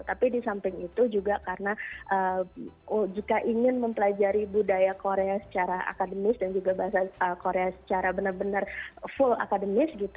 tapi di samping itu juga karena jika ingin mempelajari budaya korea secara akademis dan juga bahasa korea secara benar benar full akademis gitu